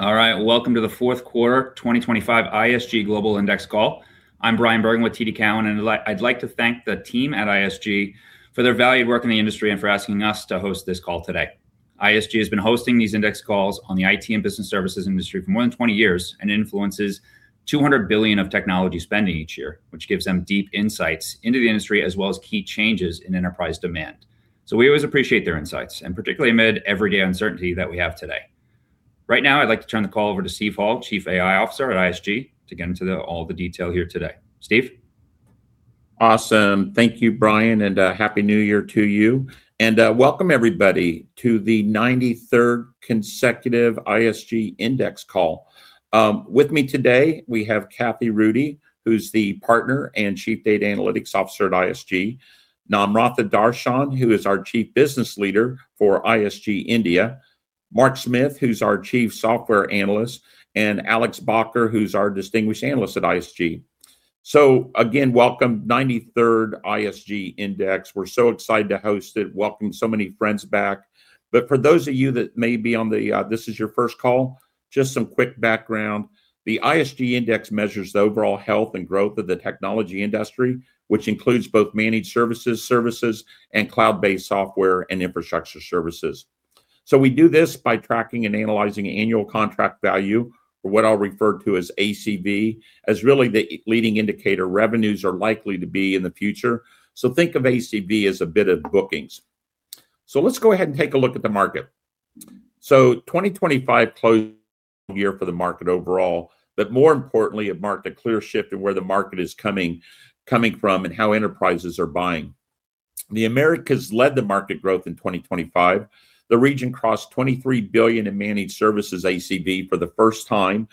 All right, welcome to the Fourth Quarter 2025 ISG Global Index call. I'm Bryan Bergin with TD Cowen and I'd like to thank the team at ISG for their valued work in the Industry and for asking us to host this call today. ISG has been hosting these index calls on the IT and business services industry for more than 20 years and influences $200 billion of technology spending each year. Which gives them deep insights into the. Industry as well as key changes in enterprise demand. So we always appreciate their insights and. Particularly amid everyday uncertainty that we have today. Right now I'd like to turn the. Call over to Steve Hall, Chief AI Officer at ISG to get into all the detail here today. Steve. Awesome. Thank you Bryan and Happy New Year to you and welcome everybody to the 93rd consecutive ISG Index call. With me today we have Kathy Rudy who's the partner and Chief Data Analytics Officer at ISG Namratha Dharshan, who is our Chief Business Leader for ISG India, Mark Smith who's our Chief Software Analyst and Alex Bakker who's our distinguished analyst at ISG. Again, welcome 93rd ISG Index. We're so excited to host it. Welcome so many friends back. But for those of you that may be on the call. This is your first call. Just some quick background. The ISG Index measures the overall health and growth of the technology industry which includes both managed services and cloud based software and Infrastructure Services. So we do this by tracking and analyzing annual contract value or what I'll refer to as ACV as really the leading indicator revenues are likely to be in the future. So think of ACV as a bit of bookings. So let's go ahead and take a look at the market. So 2025 closed year for the market overall, but more importantly it marked a clear shift in where the market is coming from and how enterprises are buying. The Americas led the market growth in 2025. The region crossed $23 billion in managed services ACV for the first time.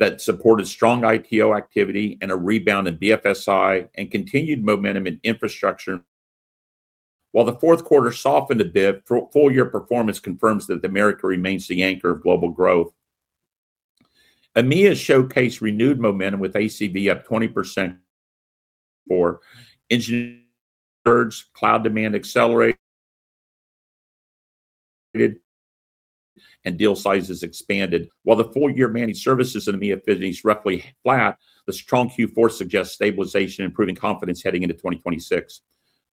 That supported strong ITO activity and a rebound in BFSI and continued momentum in infrastructure. While the fourth quarter softened a bit, full year performance confirms that America remains the anchor of global growth. EMEA showcased renewed momentum with ACV up 20% for engineering. Cloud demand accelerated, and deal sizes expanded, while the full year managed services in EMEA finished roughly flat. The strong Q4 suggests stabilization, improving confidence. Heading into 2026,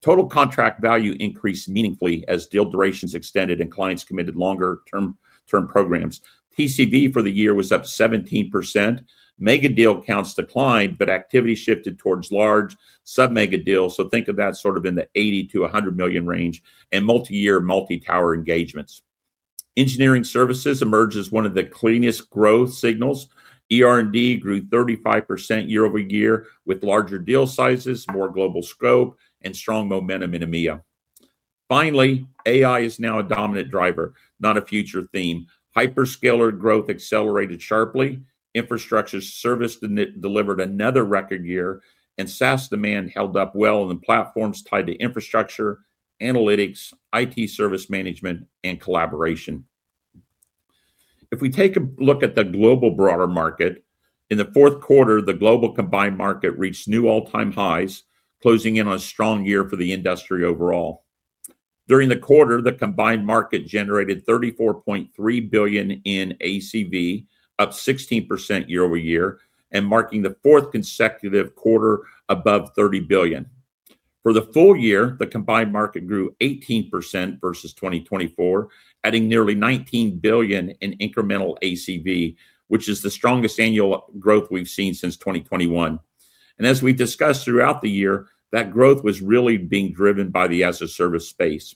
total contract value increased meaningfully as deal durations extended and clients committed longer-term programs. TCV for the year was up 17%. Mega-deal counts declined, but activity shifted towards large sub-mega deals. So think of that sort of in the $80 million-$100 million range and multi-year multi-tower engagements. Engineering services emerged as one of the cleanest growth signals. ER&D grew 35% year-over-year with larger deal sizes, more global scope, and strong momentum in EMEA. Finally, AI is now a dominant driver, not a future theme. Hyperscaler growth accelerated sharply. Infrastructure Services delivered another record year and SaaS demand held up well in the platforms tied to infrastructure, analytics, IT Service Management and collaboration. If we take a look at the global broader market in the fourth quarter, the global combined market reached new all-time highs, closing in on a strong year for the industry overall. During the quarter, the combined market generated $34.3 billion in ACV, up 16% year-over-year and marking the fourth consecutive quarter above $30 billion. For the full year, the combined market grew 18% versus 2024, adding nearly $19 billion in incremental ACV, which is the strongest annual growth we've seen since 2021, and as we discussed throughout the year, that growth was really being driven by the as-a-service space.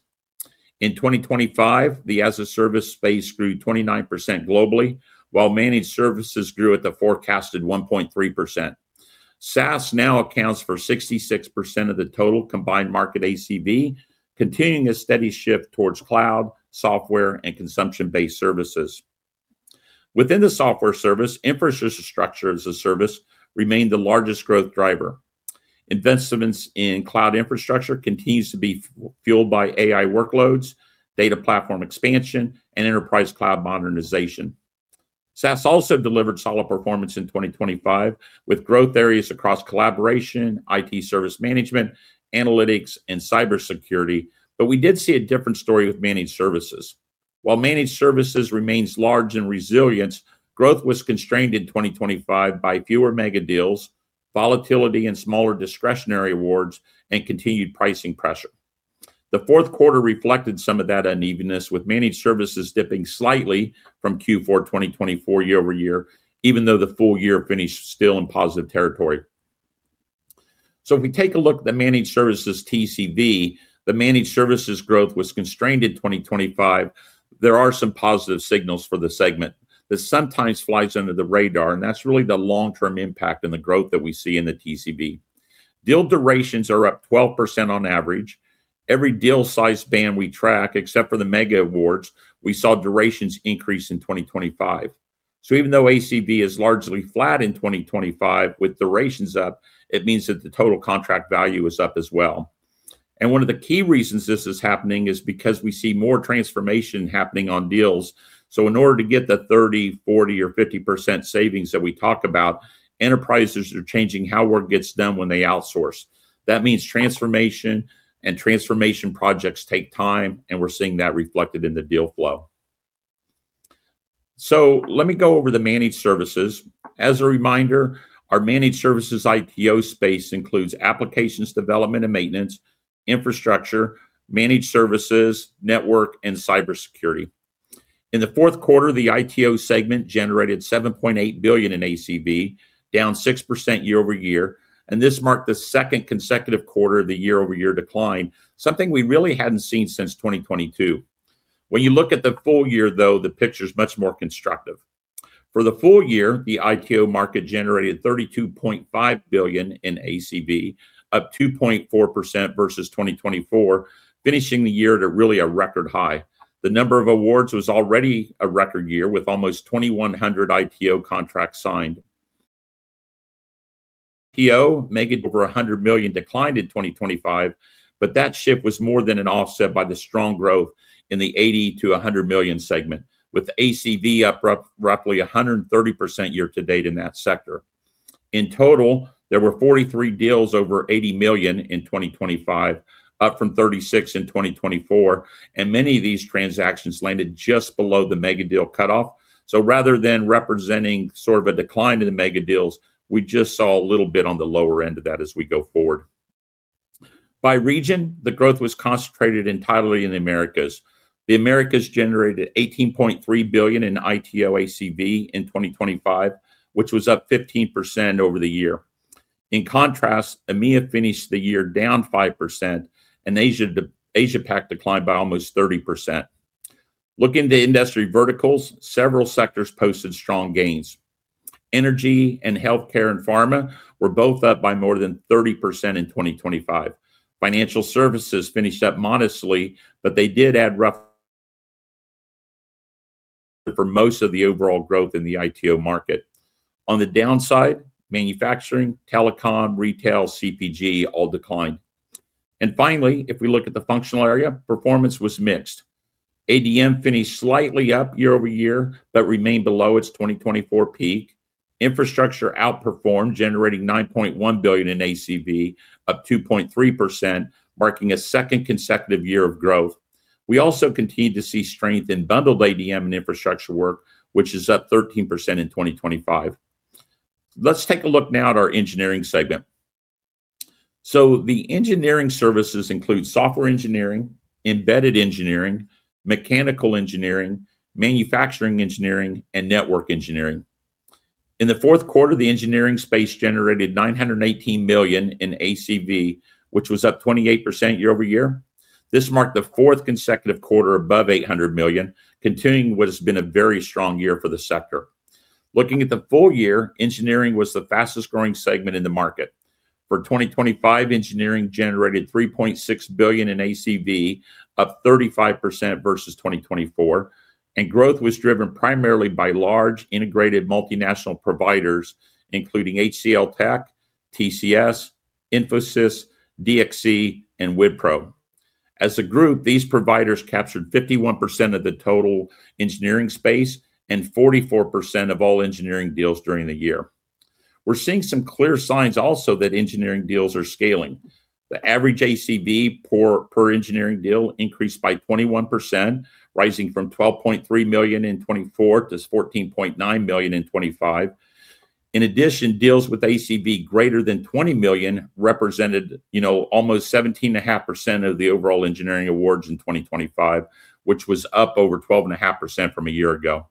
In 2025, the as-a-service space grew 29% globally while managed services grew at the forecasted 1.3%. SaaS now accounts for 66% of the total combined market. ACV continuing a steady shift towards cloud, software and consumption-based services within the software, service, and infrastructure structure. As-a-Service remained the largest growth driver. Investments in cloud infrastructure continues to be fueled by AI workloads, data platform expansion and enterprise cloud modernization. SaaS also delivered solid performance in 2025 with growth areas across collaboration, IT, service management, analytics and cybersecurity. But we did see a different story with managed services. While managed services remains large and resilient, growth was constrained in 2025 by fewer mega-deals, volatility and smaller discretionary awards and continued pricing pressure. The fourth quarter reflected some of that unevenness with managed services dipping slightly from Q4 2024 year over year, even though the full year finished still in positive territory. If we take a look at the managed services TCV, the managed services growth was constrained in 2025. There are some positive signals for the segment that sometimes flies under the radar. That's really the long-term impact. The growth that we see in the TCV deal durations is up 12% on average. Every deal size band we track except for the mega awards, we saw durations increase in 2025. Even though ACV is largely flat in 2025 with durations up, it means that the total contract value is up as well. One of the key reasons this is happening is because we see more transformation happening on deals. In order to get the 30%, 40%, or 50% savings that we talk about, enterprises are changing how work gets done when they outsource. That means transformation and transformation projects take time, and we're seeing that reflected in the deal flow. So let me go over the managed services as a reminder. Our managed services ITO space includes application development and maintenance, infrastructure, managed services, network and cybersecurity. In the fourth quarter, the ITO segment generated $7.8 billion in ACV, down 6% year over year. And this marked the second consecutive quarter of the year over year decline, something we really hadn't seen since 2022. When you look at the full year though, the picture is much more constructive. For the full year, the ITO market generated $32.5 billion in ACV, up 2.4% versus 2024, finishing the year to really a record high. The number of awards was already a record year, with almost 2,100 ITO contracts signed. ITO making over $100 million declined in 2025. But that shift was more than an offset by the strong growth in the $80 million-$100 million segment, with ACV up roughly 130% year to date in that sector. In total, there were 43 deals over $80 million in 2025, up from 36 in 2024. And many of these transactions landed just below the mega-deal cutoff. So rather than representing sort of a decline in the mega-deals, we just saw a little bit on the lower end of that as we go forward by region. The growth was concentrated entirely in the Americas. The Americas generated $18.3 billion in ITO ACV in 2025, which was up 15% over the year. In contrast, EMEA finished the year down 5% and Asia Pac declined by almost 30%. Looking to industry verticals, several sectors posted strong gains. Energy and healthcare and pharma were both up by more than 30% in 2025. Financial services finished up modestly, but they did add roughly for most of the overall growth in the ITO market. On the downside, manufacturing, telecom, retail, CPG all declined. And finally, if we look at the functional area, performance was mixed. ADM finished slightly up year over year, but remained below its 2024 peak. Infrastructure outperformed, generating $9.1 billion in ACV, up 2.3%, marking a second consecutive year of growth. We also continue to see strength in bundled ADM and infrastructure work, which is up 13% in 2025. Let's take a look now at our engineering segment. So the engineering services include software engineering, embedded engineering, mechanical engineering, manufacturing engineering and network engineering. In the fourth quarter, the engineering space generated $918 million in ACV, which was up 28% year over year. This marked the fourth consecutive quarter above $800 million, continuing what has been a very strong year for the sector. Looking at the full year, engineering was the fastest growing segment in the market for 2025. Engineering generated $3.6 billion in ACV, up 35% versus 2024 and growth was driven primarily by large integrated multinational providers including HCLTech, TCS, Infosys, DXC and Wipro. As a group, these providers captured 51% of the total engineering space and 44% of all engineering deals during the year. We're seeing some clear signs also that engineering deals are scaling. The average ACV per engineering deal increased by 21%, rising from $12.3 million in 2024 to $14.9 million in 2025. In addition, deals with ACV greater than $20 million represented almost 17.5% of the overall engineering awards in 2025, which was up over 12.5% from a year ago.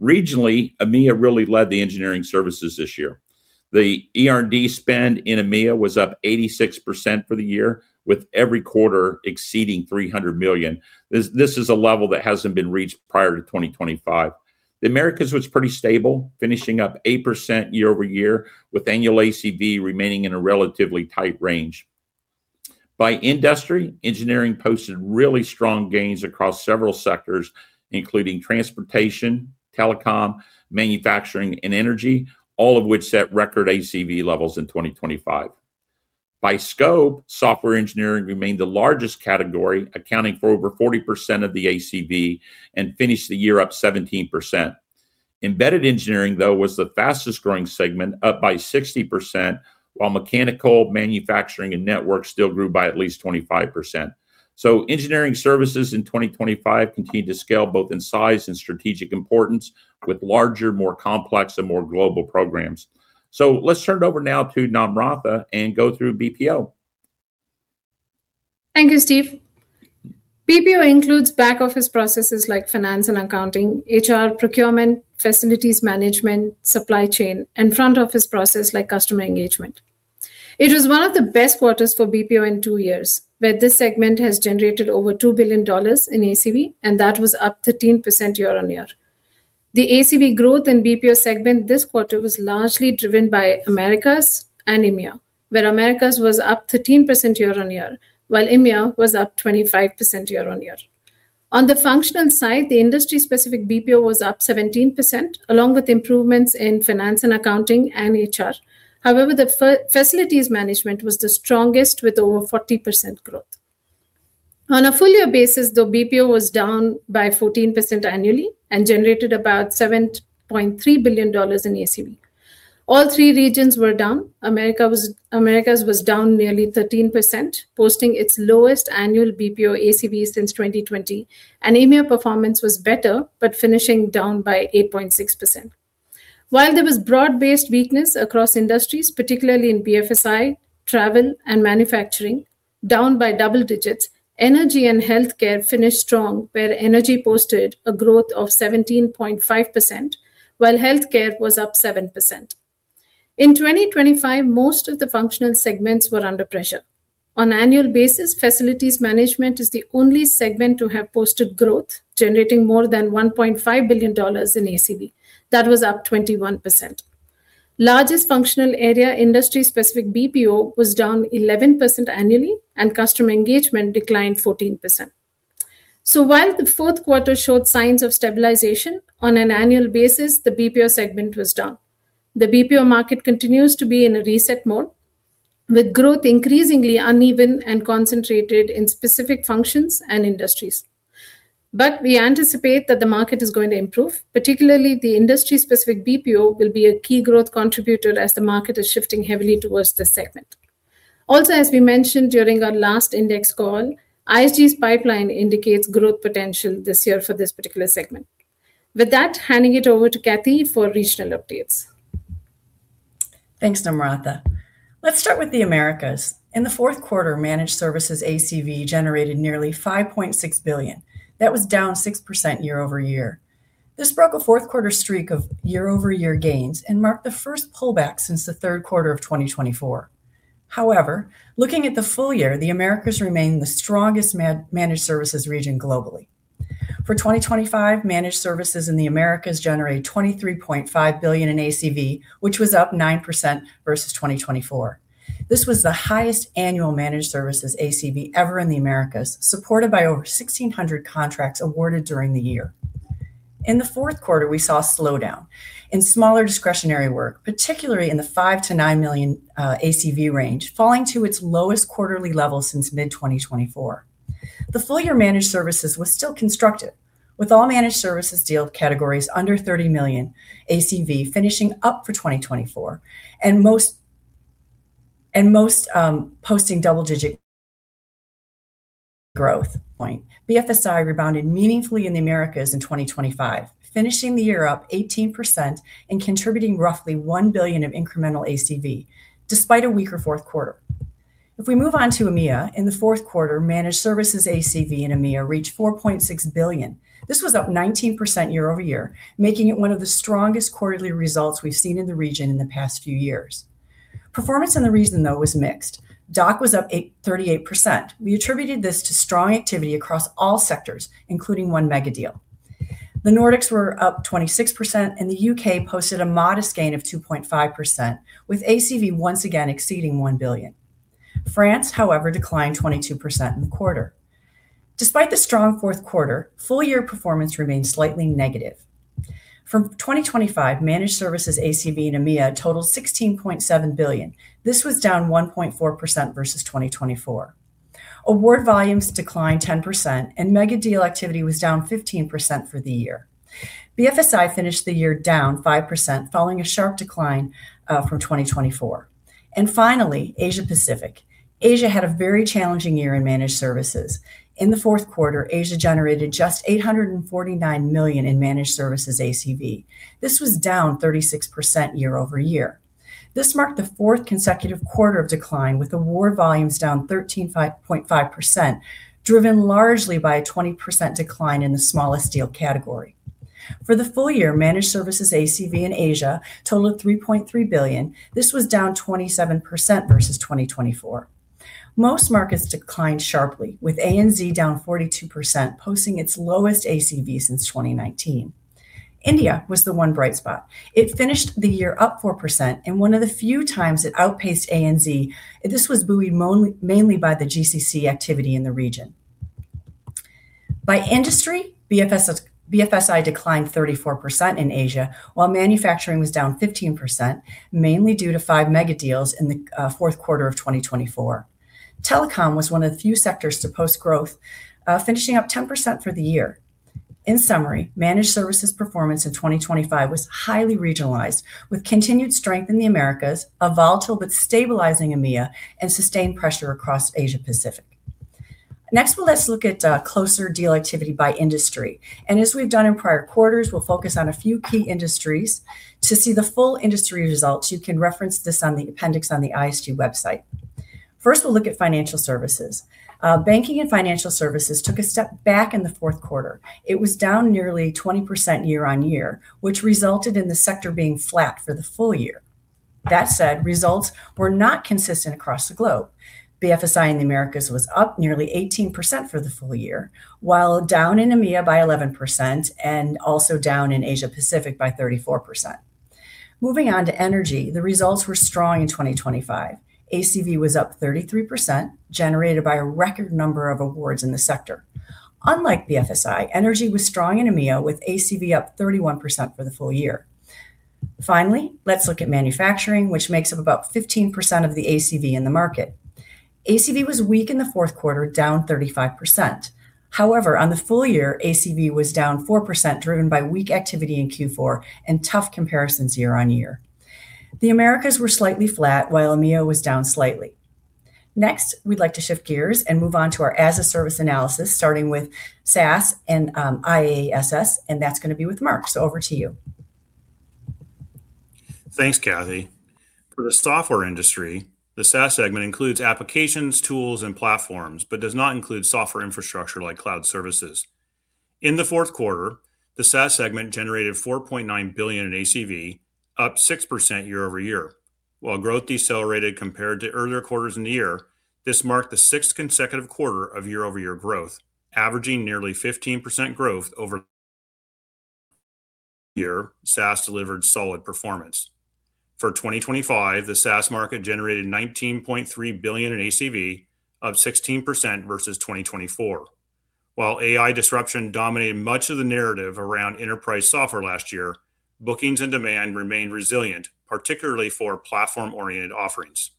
Regionally, EMEA really led the engineering services this year. The ER&D spend in EMEA was up 86% for the year, with every quarter exceeding $300 million. This is a level that hasn't been reached. Prior to 2025, the Americas was pretty stable, finishing up 8% year over year with annual ACV remaining in a relatively tight range by industry. Engineering posted really strong gains across several sectors including transportation, telecom, manufacturing and energy, all of which set record ACV levels in 2025. By scope, software engineering remained the largest category, accounting for over 40% of the ACV and finished the year up 17%. Embedded engineering though, was the fastest growing segment up by 60%, while mechanical, manufacturing and network still grew by at least 25%. So engineering services in 2025 continue to scale both in size and strategic importance with larger, more complex and more global programs. So let's turn it over now to Namratha and go through BPO. Thank you Steve. BPO includes back office processes like finance and accounting, HR, procurement, facilities management, supply chain and front office process like customer engagement. It was one of the best quarters for BPO in two years where this segment has generated over $2 billion in ACV and that was up 13% year on year. The ACV growth in BPO segment this quarter was largely driven by Americas and EMEA, where Americas was up 13% year on year while EMEA was up 25% year on year. On the functional side, the industry specific BPO was up 17% along with improvements in finance and accounting and HR. However, the facilities management was the strongest with over 40% growth on a full year basis though BPO was down by 14% annually and generated about $7 billion in ACV. All three regions were down. Americas was down nearly 13%, posting its lowest annual BPO ACV since 2020, and EMEA performance was better but finishing down by 8.6%, while there was broad-based weakness across industries, particularly in BFSI. Travel and manufacturing down by double digits. Energy and Healthcare finished strong, where Energy posted a growth of 17.5%, while Healthcare was up 7% in 2025. Most of the functional segments were under pressure on annual basis. Facilities management is the only segment to have posted growth, generating more than $1.5 billion in ACV, that was up 21%. Largest functional area, industry-specific BPO was down 11% annually, and customer engagement declined 14%. So while the fourth quarter showed signs of stabilization, on an annual basis, the BPO segment was down. The BPO market continues to be in a reset mode with growth increasingly uneven and concentrated in specific functions and industries, but we anticipate that the market is going to improve. Particularly the industry specific BPO will be a key growth contributor as the market is shifting heavily towards this segment. Also, as we mentioned during our last index call, ISG's pipeline indicates growth potential this year for this particular segment, with that handing it over to Kathy for regional updates. Thanks, Namratha. Let's start with the Americas. In the fourth quarter, managed services ACV generated nearly $5.6 billion that was down 6% year over year. This broke a fourth quarter streak of year over year gains and marked the first pullback since the third quarter of 2024. However, looking at the full year, the Americas remain the strongest managed services region globally. For 2025, managed services in the Americas generated $23.5 billion in ACV which was up 9% versus 2024. This was the highest annual managed services ACV ever in the Americas supported by over 1,600 contracts awarded during the year. In the fourth quarter, we saw a slowdown in smaller discretionary work, particularly in the $5 million-$9 million ACV range, falling to its lowest quarterly level since mid-2024. The full-year managed services was still constructive with all managed services deal categories under $30 million ACV finishing up for 2024 and most posting double-digit growth. BFSI rebounded meaningfully in the Americas in 2025, finishing the year up 18% and contributing roughly $1 billion of incremental ACV, despite a weaker fourth quarter. If we move on to EMEA in the fourth quarter, managed services ACV in EMEA reached $4.6 billion. This was up 19% year over year, making it one of the strongest quarterly results we've seen in the region in the past few years. Performance in the region though was mixed. DACH was up 38%. We attributed this to strong activity across all sectors, including one mega-deal. The Nordics were up 26% and the U.K. posted a modest gain of 2.5%, with ACV once again exceeding $1 billion. France, however, declined 22% in the quarter. Despite the strong fourth quarter, full year performance remained slightly negative in 2024. Managed services ACV in EMEA totaled $16.7 billion. This was down 1.4% versus 2024. Award volumes declined 10% and mega-deal activity was down 15% for the year. BFSI finished the year down 5% following a sharp decline from 2024. Finally, Asia Pacific. Asia had a very challenging year in managed services. In the fourth quarter Asia generated just $849 million in managed services ACV. This was down 36% year over year. This marked the fourth consecutive quarter of decline with award volumes down 13.5%, driven largely by a 20% decline in the smallest deal category. For the full year, managed services ACV in Asia totaled $3.3 billion. This was down 27% versus 2024. Most markets declined sharply with ANZ down 42%, posting its lowest ACV since 2019. India was the one bright spot. It finished the year up 4% and one of the few times it outpaced ANZ. This was buoyed mainly by the GCC activity in the region. By industry, BFSI declined 34% in Asia while manufacturing was down 15%, mainly due to 5 megadeals in the fourth quarter of 2024. Telecom was one of the few sectors to post growth, finishing up 10% for the year. In summary, managed services performance in 2025 was highly regionalized with continued strength in the Americas, a volatile but stabilizing EMEA and sustained pressure across Asia Pacific. Next, let's look at closed deal activity by industry and as we've done in prior quarters, we'll focus on a few key industries. To see the full industry results, you can reference this on the appendix on the ISG website. First we'll look at financial services. Banking and financial services took a step back in the fourth quarter. It was down nearly 20% year on year, which resulted in the sector being flat for the full year. That said, results were not consistent across the globe. BFSI in the Americas was up nearly 18% for the full year while down in EMEA by 11% and also down in Asia Pacific by 34%. Moving on to energy, the results were strong. In 2025, ACV was up 33%, generated by a record number of awards in the sector. Unlike the FSI, energy was strong in EMEA with ACV up 31% for the full year. Finally, let's look at manufacturing, which makes up about 15% of the ACV in the market. ACV was weak in the fourth quarter, down 35%. However, on the full year, ACV was down 4%, driven by weak activity in Q4 and tough comparisons. Year on year, the Americas were slightly flat while EMEA was down slightly. Next, we'd like to shift gears and move on to our As-a-Service analysis, starting with SaaS and IaaS, and that's going to be with Mark, so over to you. Thanks Kathy. For the software industry, the SaaS segment includes applications, tools and platforms, but does not include software infrastructure like cloud services. In the fourth quarter, the SaaS segment generated $4.9 billion in ACV, up 6% year over year, while growth decelerated compared to earlier quarters in the year. This marked the sixth consecutive quarter of year over year growth, averaging nearly 15% growth over Year. SaaS delivered solid performance. For 2025, the SaaS market generated $19.3 billion in ACV of 16% versus 2024. While AI disruption dominated much of the narrative around enterprise software last year, bookings and demand remained resilient, particularly for platform-oriented offerings.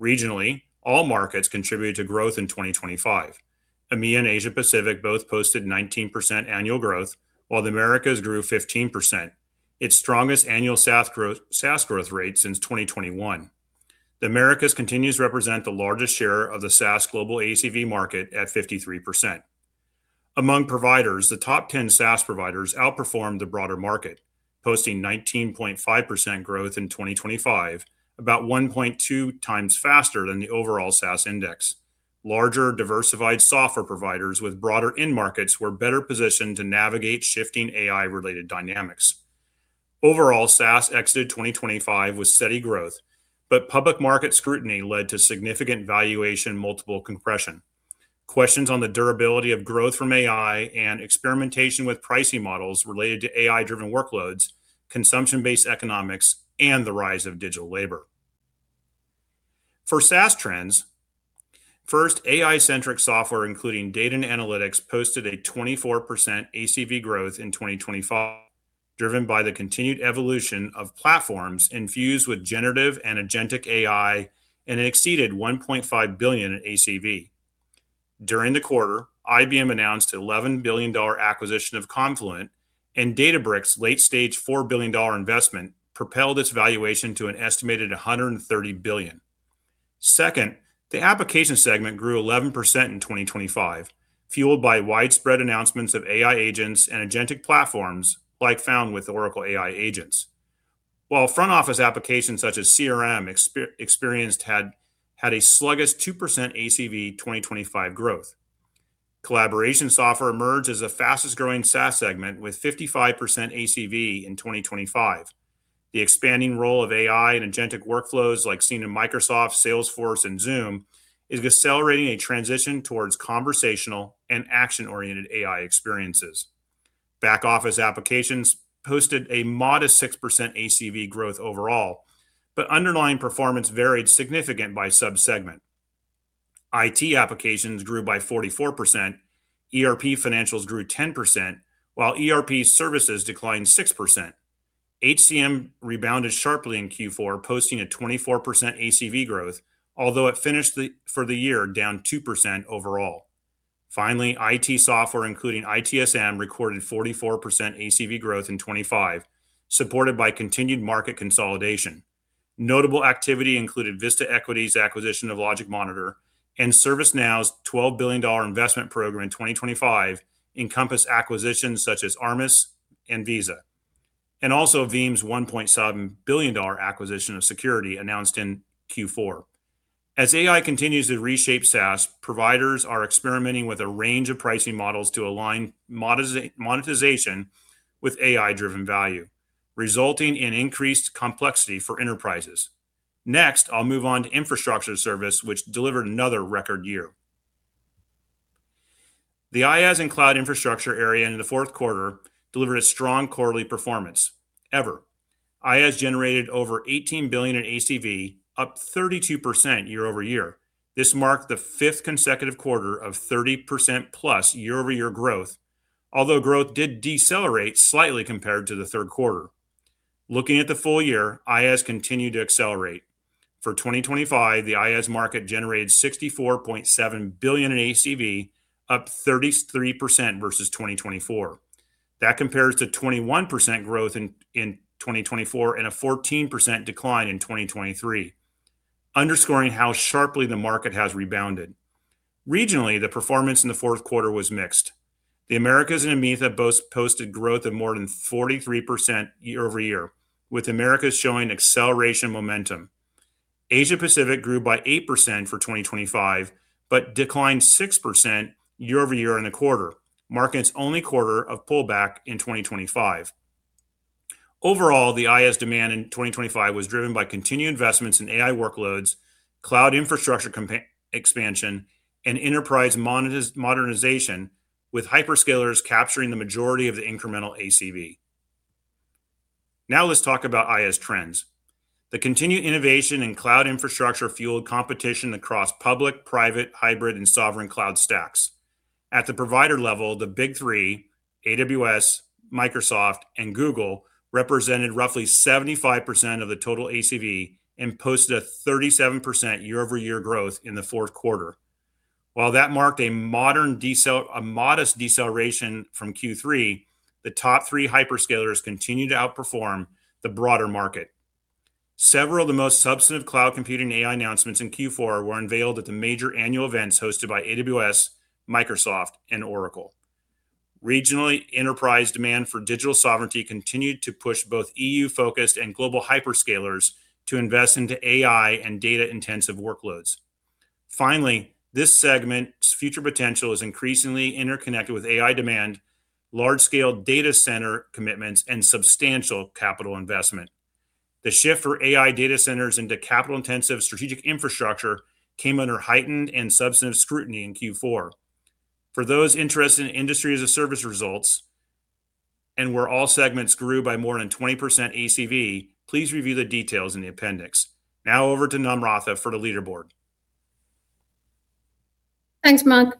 Regionally, all markets contributed to growth in 2025. EMEA and Asia Pacific both posted 19% annual growth while the Americas grew 15%, its strongest annual SaaS growth rate since 2021. The Americas continues to represent the largest share of the SaaS global ACV market at 53%. Among providers, the top 10 SaaS providers outperformed the broader market, posting 19.5% growth in 2025, about 1.2x faster than the overall SaaS index. Larger, diversified software providers with broader end markets were better positioned to navigate shifting AI-related dynamics. Overall, SaaS exited 2025 with steady growth, but public market scrutiny led to significant valuation. Multiple compression questions on the durability of growth from AI and experimentation with pricing models related to AI driven workloads, consumption based economics and the rise of digital labor. For SaaS trends first, AI-centric software including data and analytics posted a 24% ACV growth in 2025 driven by the continued evolution of platforms infused with generative and agentic AI and it exceeded $1.5 billion in ACV during the quarter. IBM announced $11 billion acquisition of Confluent and Databricks. A late-stage $4 billion investment propelled its valuation to an estimated $130 billion. Second, the application segment grew 11% in 2025 fueled by widespread announcements of AI agents and agentic platforms like those found with Oracle AI agents, while front office applications such as CRM experienced a sluggish 2% ACV 2025 growth. Collaboration software emerged as the fastest growing SaaS segment with 55% ACV in 2025. The expanding role of AI and agentic workflows like seen in Microsoft, Salesforce and Zoom is accelerating a transition towards conversational and action oriented AI experiences. Back office applications posted a modest 6% ACV growth overall, but underlying performance varied significantly by subsegment. IT Applications grew by 44%, ERP Financials grew 10% while ERP Services declined 6%. HCM rebounded sharply in Q4 posting a 24% ACV growth although it finished for the year down 2% overall. Finally, IT software including ITSM recorded 44% ACV growth in 2025 supported by continued market consolidation. Notable activity included Vista Equity's acquisition of LogicMonitor and ServiceNow's $12 billion investment program in 2025 encompassing acquisitions such as Armis and Veza and also Veeam's $1.7 billion acquisition of Securiti announced in Q4. As AI continues to reshape SaaS, providers are experimenting with a range of pricing models to align monetization with AI driven value, resulting in increased complexity for enterprises. Next I'll move on to Infrastructure Service which delivered another record year. The IaaS and cloud infrastructure area in the fourth quarter delivered a strong quarterly performance ever. IaaS generated over $18 billion in ACV up 32% year over year. This marked the fifth consecutive quarter of 30% plus year over year growth, although growth did decelerate slightly compared to the third quarter. Looking at the full year, IaaS continued to accelerate. For 2025 the IaaS market generated $64.7 billion in ACV up 33% versus 2024. That compares to 21% growth in 2024 and a 14% decline in 2023. Underscoring how sharply the market has rebounded regionally, the performance in the fourth quarter was mixed. The Americas and EMEA posted growth of more than 43% year over year, with Americas showing acceleration. Momentum Asia Pacific grew by 8% for 2025 but declined 6% year over year in the quarter, marking its only quarter of pullback in 2025. Overall, the IT demand in 2025 was driven by continued investments in AI workloads, cloud infrastructure expansion and enterprise modernization, with hyperscalers capturing the majority of the incremental ACV. Now let's talk about IT trends. The continued innovation in cloud infrastructure fueled competition across public, private, hybrid and sovereign cloud stacks. At the provider level, the big three AWS, Microsoft and Google represented roughly 75% of the total ACV and posted a 37% year over year growth in the fourth quarter. While that marked a more modest deceleration from Q3, the top three hyperscalers continue to outperform the broader market. Several of the most substantive cloud computing AI announcements in Q4 were unveiled at the major annual events hosted by AWS, Microsoft and Oracle. Regionally, enterprise demand for digital sovereignty continued to push both EU focused and global hyperscalers to invest into AI and data intensive workloads. Finally, this segment's future potential is increasingly interconnected with AI demand, large scale data center commitments and substantial capital investment. The shift for AI data centers into capital intensive strategic infrastructure came under heightened and substantive scrutiny in Q4. For those interested in Industry As-a-Service results and where all segments grew by more than 20% ACV, please review the details in the appendix. Now over to Namratha for the leaderboard. Thanks Mark.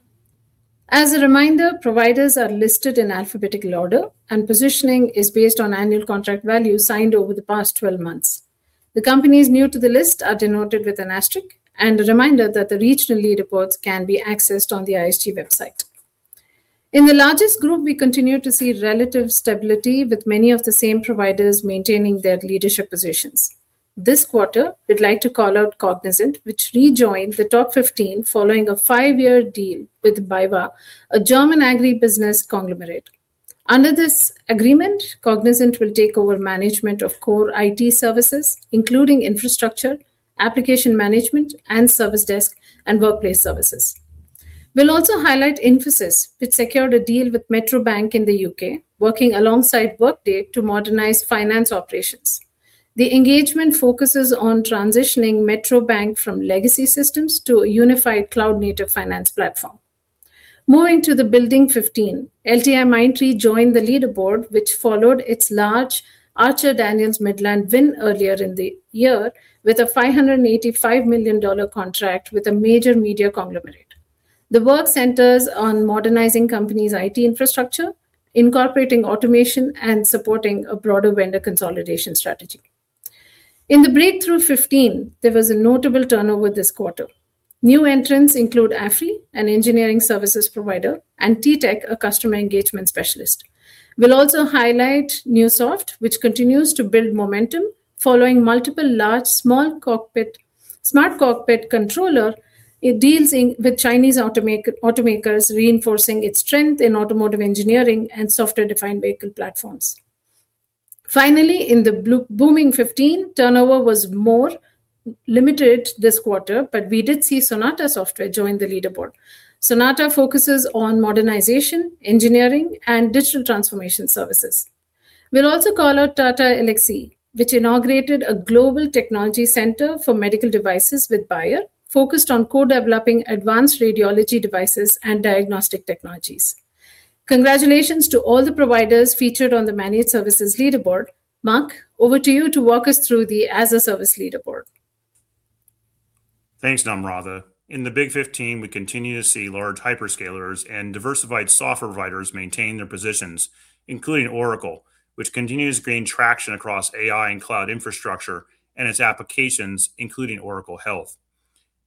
As a reminder, providers are listed in alphabetical order and positioning is based on annual contract value signed over the past 12 months. The companies new to the list are denoted with an asterisk and a reminder that the regional leaderboards can be accessed on the ISG website. In the largest group, we continue to see relative stability with many of the same providers maintaining their leadership positions. This quarter we'd like to call out Cognizant, which rejoined the top 15 following a five-year deal with BayWa, a German agribusiness conglomerate. Under this agreement, Cognizant will take over management of core IT services, including infrastructure, application management and service desk and workplace services. We'll also highlight Infosys, which secured a deal with Metro Bank in the U.K., working alongside Workday to modernize finance operations. The engagement focuses on transitioning Metro Bank from legacy systems to a unified cloud native finance platform. Moving to the Building 15, LTIMindtree joined the leaderboard which followed its large Archer Daniels Midland win earlier in the year with a $585 million contract with a major media conglomerate. The work centers on modernizing company's IT infrastructure, incorporating automation and supporting a broader vendor consolidation strategy. In the Breakthrough 15, there was a notable turnover this quarter. New entrants include AFRY, an engineering services provider, and TTEC, a customer engagement specialist. We'll also highlight Neusoft, which continues to build momentum following multiple large smart cockpit controller deals with Chinese automakers, reinforcing its strength in automotive engineering and software-defined vehicle platforms. Finally, in the Booming 15, turnover was more limited this quarter, but we did see Sonata Software join the leaderboard. Sonata focuses on modernization engineering and digital transformation services. We'll also call out Tata Elxsi, which inaugurated a global technology center for medical devices with Bayer focused on co developing advanced radiology devices and diagnostic technologies. Congratulations to all the providers featured on the Managed Services leaderboard. Mark, over to you to walk us through the as a service leaderboard. Thanks, Namratha. In the Big 15 we continue to see large hyperscalers and diversified software providers maintain their positions, including Oracle, which continues to gain traction across AI and cloud infrastructure and its applications, including Oracle Health.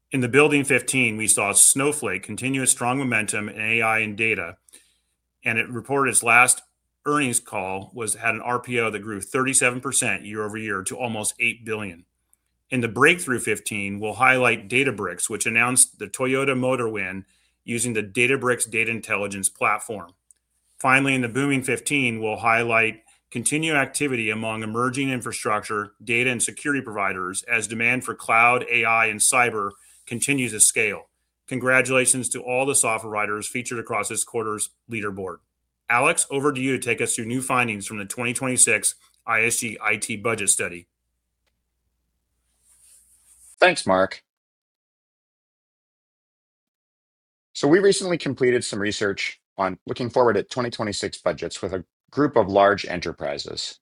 In the Building 15 we saw Snowflake continue a strong momentum in AI and data, and it reported in its last earnings call it had an RPO that grew 37% year over year to almost $8 billion. In the Breakthrough 15 we'll highlight Databricks which announced the Toyota Motor win using the Databricks Data Intelligence Platform. Finally, in the Booming 15, we'll highlight continued activity among emerging infrastructure, data and security providers as demand for cloud, AI and cyber continues to scale. Congratulations to all the software leaders featured across this quarter's leaderboard. Alex, over to you to take us through new findings from the 2026 ISG IT Budget Study. Thanks, Mark. So we recently completed some research on looking forward at 2026 budgets with a group of large enterprises.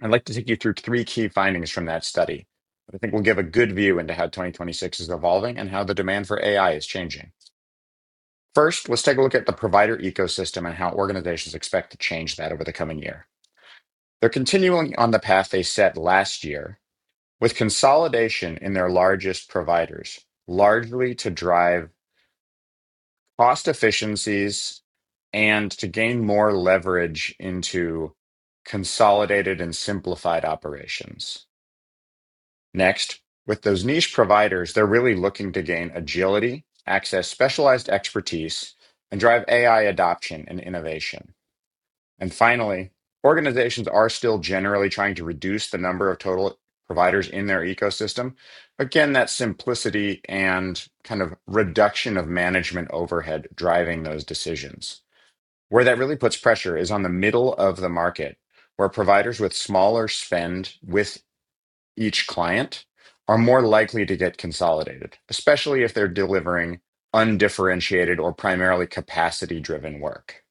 I'd like to take you through three key findings from that study. I think we'll give a good view into how 2026 is evolving and how the demand for AI is changing. First, let's take a look at the provider ecosystem and how organizations expect to change that over the coming year. They're continuing on the path they set last year with consolidation in their largest providers, largely to drive cost efficiencies and to gain more leverage into consolidated and simplified operations. Next, with those niche providers, they're really looking to gain agility, access specialized expertise, and drive AI adoption and innovation. And finally, organizations are still generally trying to reduce the number of total providers in their ecosystem. Again, that simplicity and kind of reduction of management overhead driving those decisions. Where that really puts pressure is on the middle of the market, where providers with smaller spend with each client are more likely to get consolidated, especially if they're delivering undifferentiated or primarily capacity driven work.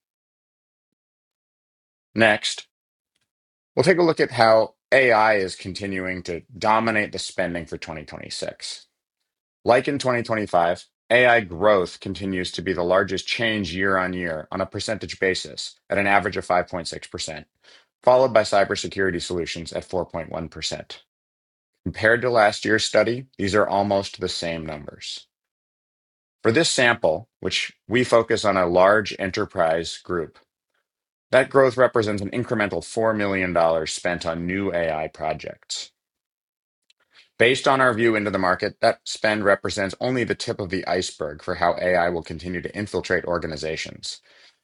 Next, we'll take a look at how AI is continuing to dominate the spending for 2026. Like in 2025, AI growth continues to be the largest change year on year on a percentage basis at an average of 5.6%, followed by cybersecurity solutions at 4.1% compared to last year's study. These are almost the same numbers for this sample, which we focus on a large enterprise group. That growth represents an incremental $4 million spent on new AI projects. Based on our view into the market. That spend represents only the tip of the iceberg for how AI will continue to infiltrate organizations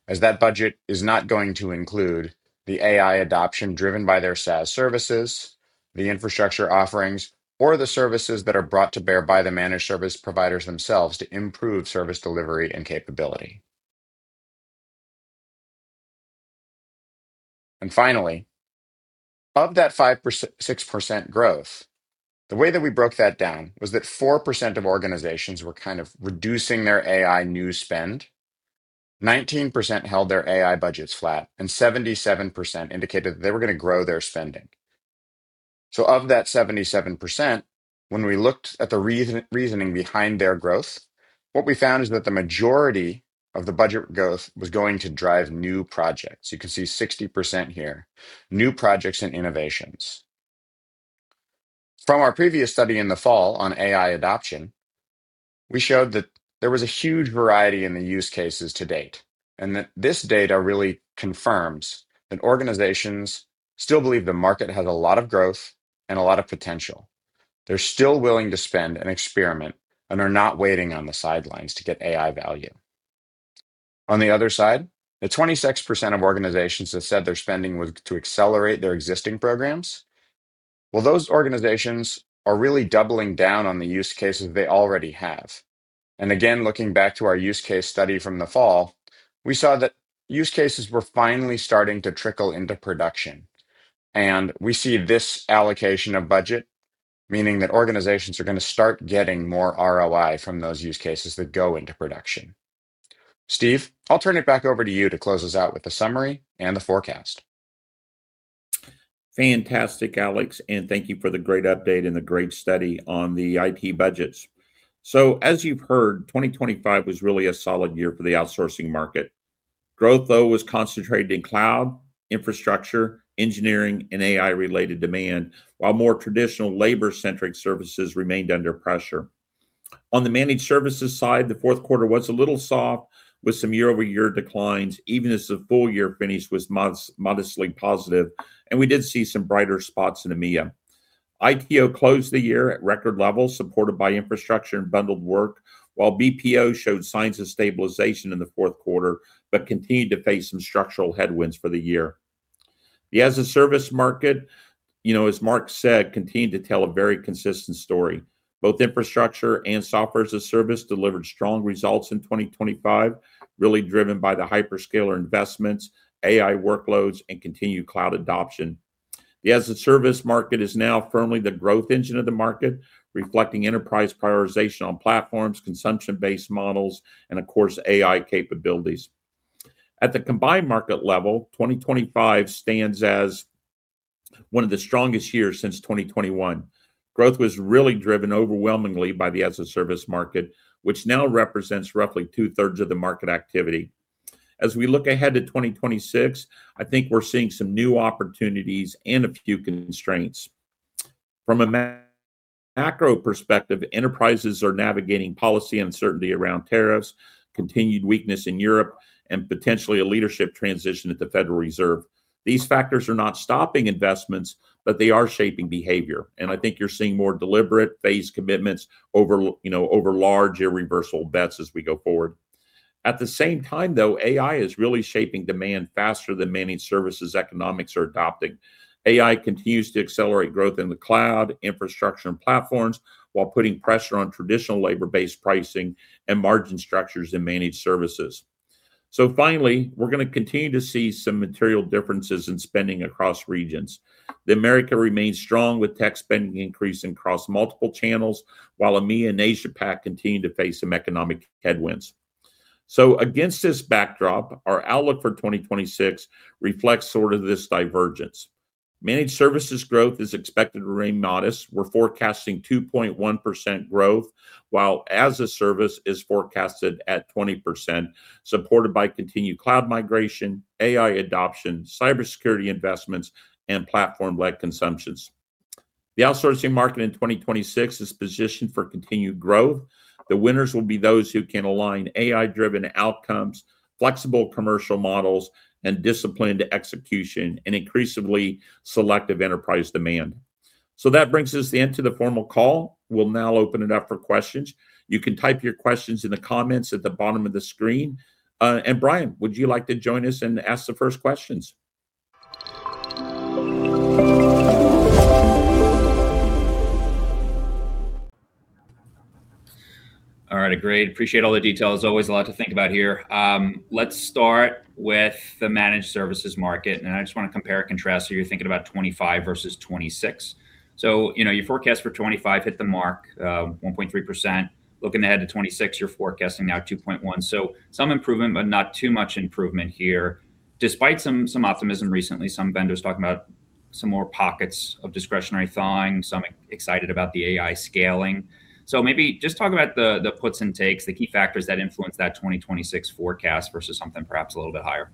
as that budget is not going to include the AI adoption driven by their SaaS services, the infrastructure offerings or the services that are brought to bear by the managed service providers themselves to improve service delivery and capability. And finally, of that 5%-6% growth, the way that we broke that down was that 4% of organizations were kind of reducing their AI new spend, 19% held their AI budgets flat, and 77% indicated that they were going to grow their spending. So of that 77%, when we looked at the reasoning behind their growth, what we found is that the majority of the budget growth was going to drive new projects. You can see 60% here, new projects and innovations. From our previous study in the fall on AI adoption, we showed that there was a huge variety in the use cases to date and that this data really confirms that organizations still believe the market has a lot of growth and a lot of potential. They're still willing to spend and experiment and are not waiting on the sidelines to get AI value. On the other side, 26% of organizations have said their spending was to accelerate their existing programs. Those organizations are really doubling down on the use cases they already have. Again, looking back to our use case study from the fall, we saw that use cases were finally starting to trickle into production. We see this allocation of budget meaning that organizations are going to start getting more ROI from those use cases that go into production. Steve, I'll turn it back over to you to close us out with the summary and the forecast. Fantastic, Alex, and thank you for the great update and the great study on the IT budgets, so as you've heard 2025 was really a solid year for the outsourcing market. Growth though was concentrated in cloud, infrastructure, engineering and AI-related demand, while more traditional labor-centric services remained under pressure. On the managed services side, the fourth quarter was a little soft with some year-over-year declines even as the full year finish was modestly positive. And we did see some brighter spots in EMEA. ITO closed the year at record levels supported by infrastructure and bundled work, while BPO showed signs of stabilization in the fourth quarter, but continued to face some structural headwinds for the year. The as-a-service market, you know, as Mark said, continued to tell a very consistent story. Both infrastructure and software as a service delivered strong results in 2025, really driven by the hyperscaler investments, AI workloads and continued cloud adoption. The as a service market is now firmly the growth engine of the market, reflecting enterprise prioritization on platforms, consumption based models and of course AI capabilities. At the combined market level, 2025 stands as one of the strongest years since 2021. Growth was really driven overwhelmingly by the as-a-service market, which now represents roughly two thirds of the market activity. As we look ahead to 2026, I think we're seeing some new opportunities and a few constraints. From a macro perspective, enterprises are navigating policy, uncertainty around tariffs, continued weakness in Europe, and potentially a leadership transition at the Federal Reserve. These factors are not stopping investments, but they are shaping behavior. I think you're seeing more deliberate phase commitments over, you know, over large irreversible bets as we go forward. At the same time though, AI is really shaping demand faster than managed services economics are adopting. AI continues to accelerate growth in the cloud infrastructure and platforms while putting pressure on traditional labor based pricing and margin structures and managed services. Finally, we're going to continue to see some material differences in spending across regions. The Americas remains strong with tech spending increasing across multiple channels, while EMEA and Asia Pac continue to face some economic headwinds. Against this backdrop, our outlook for 2026 reflects sort of this divergence. Managed services growth is expected to remain modest. We're forecasting 2.1% growth while as a service is forecasted at 20% supported by continued cloud migration, AI adoption, cybersecurity investments and platform led consumptions. The outsourcing market in 2026 is positioned for continued growth. The winners will be those who can align AI-driven outcomes, flexible commercial models and disciplined execution, and increasingly selective enterprise demand. So that brings us to the end to the formal call. We'll now open it up for questions. You can type your questions in the comments at the bottom of the screen. And Bryan, would you like to join us and ask the first question? All right, great. Appreciate all the details. Always a lot to think about here. Let's start with the managed services market. And I just want to compare and contrast. So you're thinking about 2025 versus 2026. So you know, your forecast for 2025 Hit the mark 1.3%. Looking ahead to 2026, you're forecasting now 2.1%, so some improvement, but not too much improvement here. Despite some optimism recently. Some vendors talking about some more pockets Of discretionary spending, some excited about the AI scaling. So maybe just talk about the puts and takes, the key factors that influence that 2026 forecast versus something perhaps a little bit higher.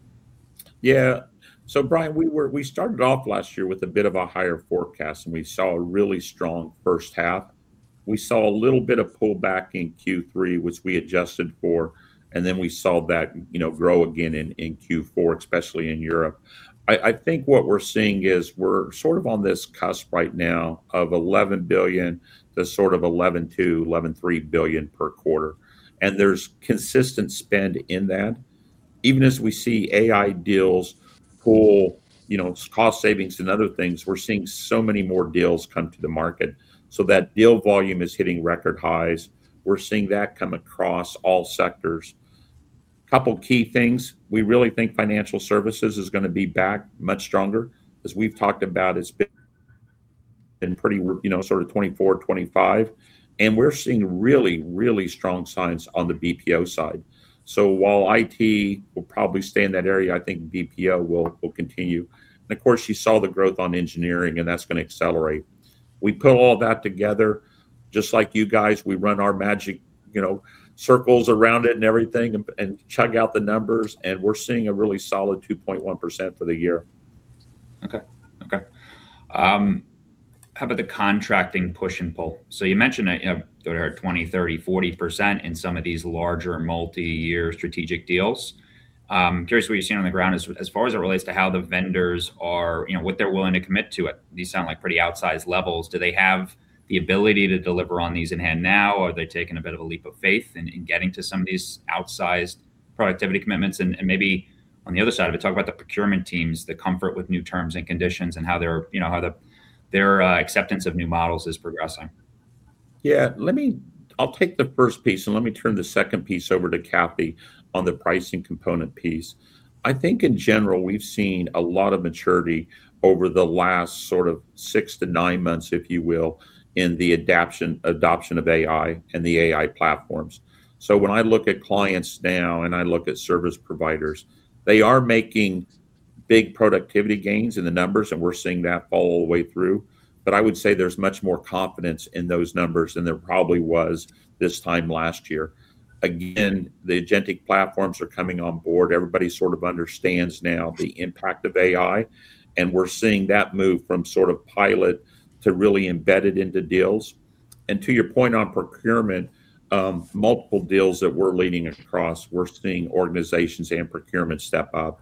Yeah. So Bryan, we were, we started off last year with a bit of a higher forecast and we saw a really strong first half. We saw a little bit of pullback in Q3, which we adjusted for. And then we saw that, you know, grow again in Q4, especially in Europe. I think what we're seeing is we're sort of on this cusp right now of $11 billion to sort of $11 billion-$11.3 billion per quarter. And there's consistent spend in that. Even as we see AI deals pool, you know, cost savings and other things, we're seeing so many more deals come to the market. So that deal volume is hitting record highs. We're seeing that come across all sectors. A couple key things we really think financial services is going to be back much stronger. As we've talked about, it's been pretty, you know, sort of 2024, 2025. And we're seeing really, really strong signs on the BPO side. So while it will probably stay in that area, I think BPO will continue. And of course you saw the growth on engineering and that's going to accelerate. We put all that together just like you guys. We run our magic, you know, circles around it and everything and chug out the numbers. And we're seeing a really solid 2.1% for the year. Okay, okay. How about the contracting push and pull? So you mentioned that you have 20% 30%, 40% in some of these larger multi year strategic deals. Curious what you're seeing on the ground. As far as it relates to how the vendors are, you know, what, they're. Willing to commit to it. These sound like pretty outsized levels. Do they have the ability to deliver on these in hand now? Are they taking a bit of a leap of faith in getting to some of these outsized productivity commitments and maybe on the other side of it, talk about the procurement teams, the comfort with. New terms and conditions and how they're. You know, their acceptance of new models is progressing. Yeah, let me, I'll take the first piece and let me turn the second piece over to Kathy on the pricing component piece. I think in general, we've seen a lot of maturity over the last sort of six to nine months, if you will, in the adoption of AI and the AI platforms. So when I look at clients now and I look at service providers, they are making big productivity gains in the numbers, and we're seeing that fall all the way through. But I would say there's much more confidence in those numbers than there probably was this time last year. Again, the Agentic AI platforms are coming on board. Everybody sort of understands now the impact of AI and we're seeing that move from sort of pilot to really embedded into deals. To your point on procurement, multiple deals that we're leading across, we're seeing organizations and procurement step up.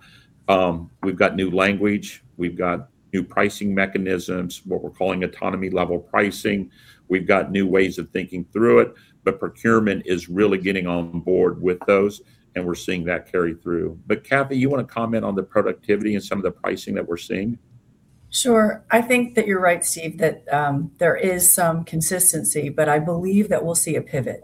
We've got new language, we've got new pricing mechanisms, what we're calling autonomy level pricing. We've got new ways of thinking through it, but procurement is really getting on board with those and we're seeing that carry through. But, Kathy, you want to comment on the productivity and some of the pricing that we're seeing? Sure. I think that you're right, Steve, that there is some consistency, but I believe that we'll see a pivot.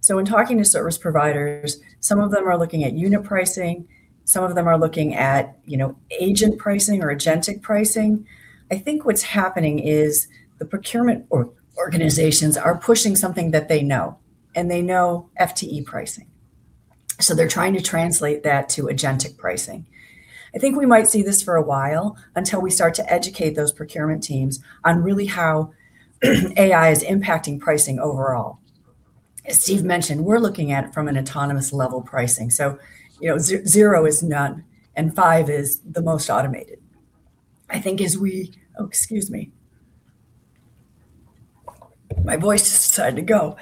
So in talking to service providers, some of them are looking at unit pricing, some of them are looking at, you know, agent pricing or agentic pricing. I think what's happening is the procurement organizations are pushing something that they know and they know FTE pricing, so they're trying to translate that to agentic pricing. I think we might see this for a while until we start to educate those procurement teams on really how AI is impacting pricing overall. As Steve mentioned, we're looking at, from an autonomous level pricing. So, you know, zero is none and five is the most automated. I think as we. Oh, excuse me. My voice just decided to go.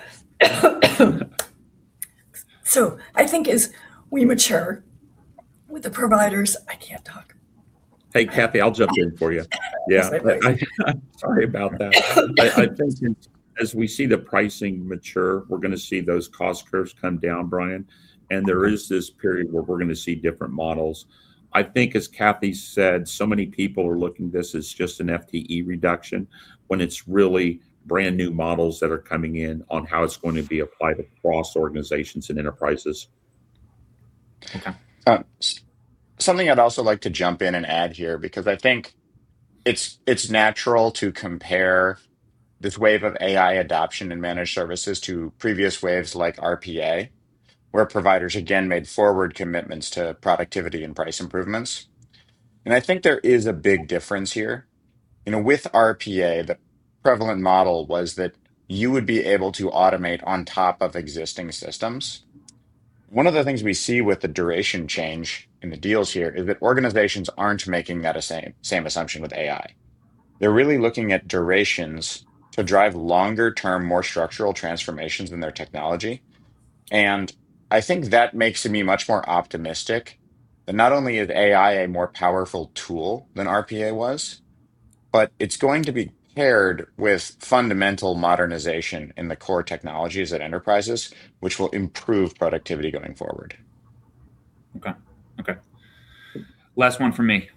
So I think as we mature with the providers. I can't talk. Hey, Kathy, I'll jump in for you. Yeah, sorry about that. I think as we see the pricing mature, we're going to see those cost curves come down, Bryan, and there is this period where we're going to see different models. I think, as Kathy said, so many people are looking at this as just an FTE reduction when it's really brand new models that are coming in on how it's going to be applied across organizations and enterprises. Something I'd also like to jump in and add here because I think it's natural to compare this wave of AI adoption and managed services to previous waves like RPA where providers again made forward commitments to productivity and price improvements. And I think there is a big difference here. With RPA the prevalent model was that you would be able to automate on top of existing systems. One of the things we see with the duration change in the deals here is that organizations aren't making that same assumption with AI. They're really looking at durations to drive longer term, more structural transformations than their technology. And I think that makes me much more optimistic that not only is AI a more powerful tool than RPA was, but it's going to be paired with fundamental modernization in the core technologies at enterprises which will improve productivity going forward. Okay, okay, last one for me.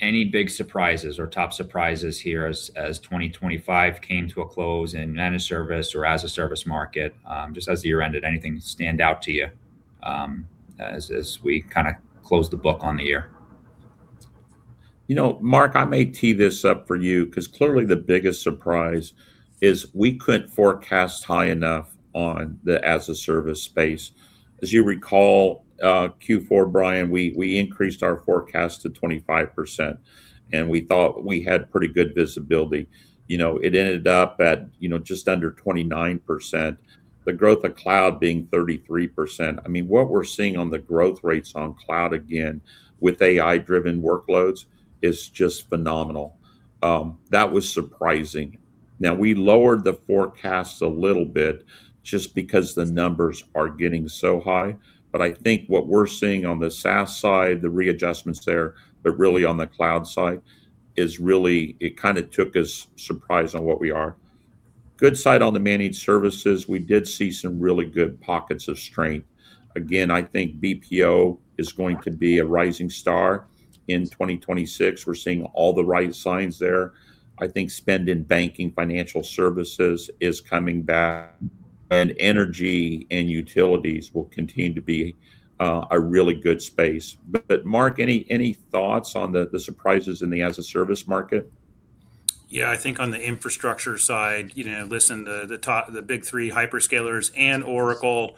Any big surprises or top surprises here as 2025 came to a close and Managed service or as-a-service market just as the year ended. Anything stand out to you as we kind of close the book on the year? You know Mark, I may tee this up for you because clearly the biggest surprise is we couldn't forecast high enough on the as a service space. As you recall. Q4 Bryan, we increased our forecast to 25% and we thought we had pretty good visibility. You know it ended up at you know, just under 29%. The growth of cloud being 33%. I mean what we're seeing on the growth rates on cloud again with AI driven workloads is just phenomenal. That was surprising. Now we lowered the four forecasts a little bit just because the numbers are getting so high. But I think what we're seeing on the SaaS side, the readjustments there, but really on the cloud side. It really kind of took us by surprise on the side we're good at. On the managed services we did see some really good pockets of strength. Again I think BPO is going to be a rising star in 2026. We're seeing all the right signs there. I think spending in banking, financial services is coming back and energy and utilities will continue to be a really good space. But Mark, any thoughts on the surprises in the as-a-service market? Yeah, I think on the infrastructure side, you know, listen, the big three hyperscalers and Oracle,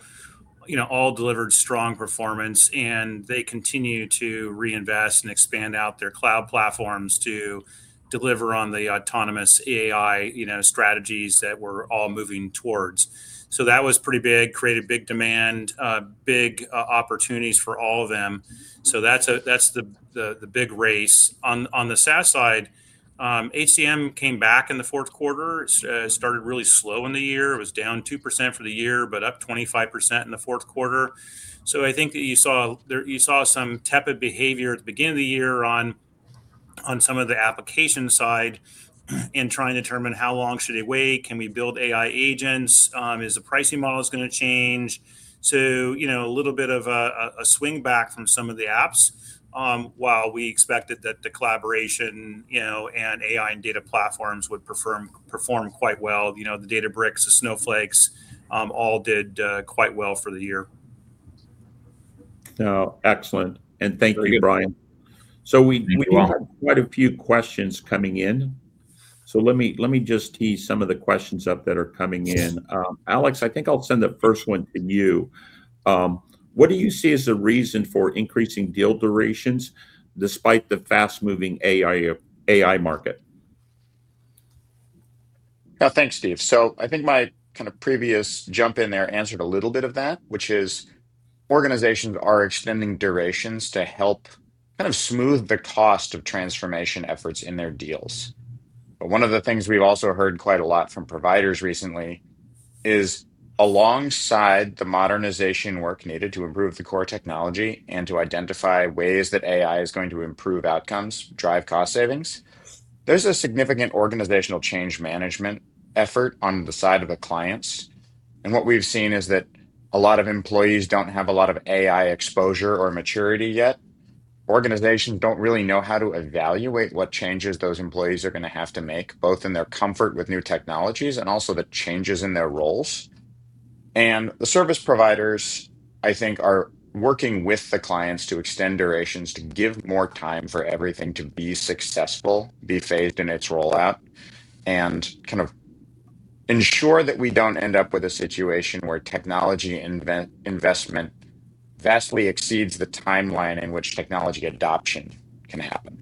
you know, all delivered strong performance and they continue to reinvest and expand out there their cloud platforms to deliver on the autonomous AI strategies that we're all moving towards. So that was pretty big, created big demand, big opportunities for all of them. So that's the big race on the SaaS side. HCM came back in the fourth quarter, started really slow in the year. It was down 2% for the year, but up 25% in the fourth quarter. So I think that you saw, you saw some tepid behavior at the beginning of the year on some of the application side and trying to determine how long should they wait, can we build AI agents, is the pricing model is going to change. So, you know, a little bit of a swing back from some of the apps. While we expected that the collaboration, you know, and AI and data platforms would perform quite well, you know, the Databricks, the Snowflake all did quite well for the year. Excellent. And thank you, Bryan. So we have quite a few questions coming in, so let me just tease some of the questions up that are coming in. Alex, I think I'll send the first one to you. What do you see as a reason for increasing deal durations despite the fast-moving AI market? Thanks, Steve. So I think my previous jump in there answered a little bit of that, which is organizations are extending durations to help kind of smooth the cost of transformation efforts in their deals. But one of the things we've also heard quite a lot from providers recently is alongside the modernization work needed to improve the core technology and to identify ways that AI is going to improve outcomes, drive cost savings, there's a significant organizational change management effort on the side of the clients. And what we've seen is that a lot of employees don't have a lot of AI exposure or maturity yet. Organizations don't really know how to evaluate what changes those employees are going to have to make, both in their comfort with new technologies and also the changes in their roles. The service providers I think are working with the clients to extend durations to give more time for everything to be successful, be phased in its rollout and kind of ensure that we don't end up with a situation where technology investment vastly exceeds the timeline in which technology adoption can happen.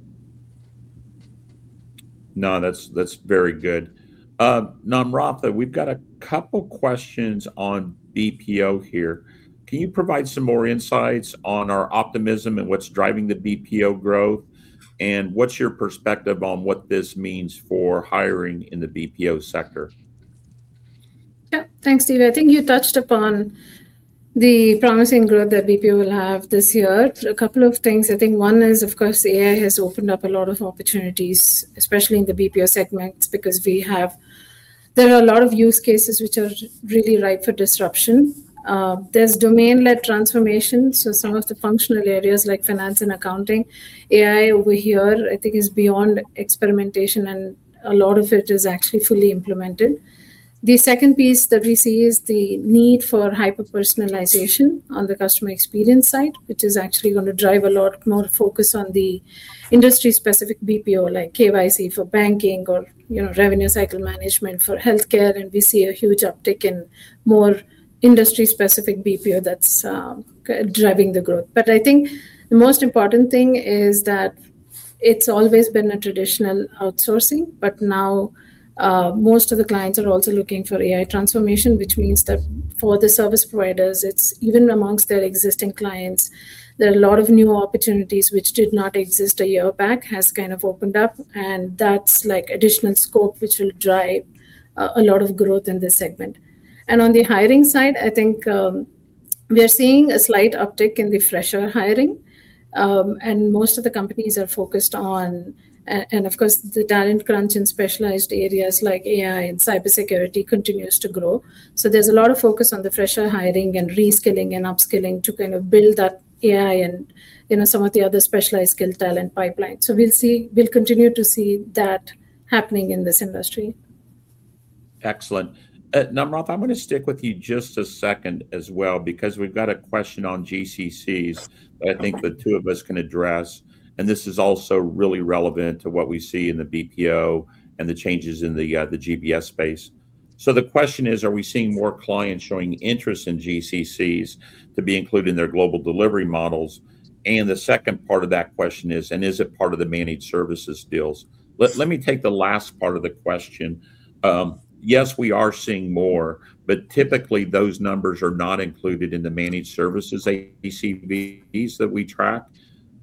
No, that's, that's very good. Namratha, we've got a couple questions on BPO here. Can you provide some more insights on our optimism and what's driving the BPO growth and what's your perspective on what this means for hiring in the BPO sector? Thanks, Steve. I think you touched upon the promising growth that BPO will have this year. A couple of things I think. One is, of course, AI has opened up a lot of opportunities, especially in the BPO segments because we have, there are a lot of use cases which are really ripe for disruption. There's domain led transformation. So some of the functional areas like finance and accounting, AI over here I think is beyond experimentation and a lot of it is actually fully implemented. The second piece that we see is the need for hyper personalization on the customer experience side which is actually going to drive a lot of more focus on the industry specific BPO like KYC for banking or you know, revenue cycle management for healthcare. And we see a huge uptick in more industry specific BPO that's driving the growth. But I think the most important thing is that it's always been a traditional outsourcing, but now most of the clients are also looking for AI transformation, which means that for the service providers it, even amongst their existing clients there are a lot of new opportunities which did not exist a year back has kind of opened up and that's like additional scope which will drive a lot of growth in this segment. And on the hiring side I think we are seeing a slight uptick in the fresher hiring and most of the companies are focused on and of course the talent crunch and specialized areas like AI and cybersecurity continues to grow. So there's a lot of focus on the fresher hiring and reskilling and upskilling to kind of build that AI and you know, some of the other specialized skill talent pipeline. So we'll see, we'll continue to see that happening in this industry. Excellent Namratha, I'm going to stick with you just a second as well because we've got a question on GCCs that I think the two of us can address. This is also really relevant to what we see in the BPO and the changes in the GBS space. The question is, are we seeing more clients showing interest in GCCs to be included in their global delivery models? The second part of that question is, is it part of the managed services deals? Let me take the last part of the question. Yes, we are seeing more, but typically those numbers are not included in the Managed Services ACVs that we track.